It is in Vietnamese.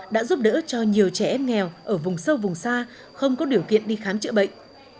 đã giúp đỡ cho nhiều trẻ em nghèo ở vùng sâu vùng xa không có điều kiện đi khám chữa bệnh